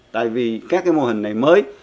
tại vì các cái mô hình này mới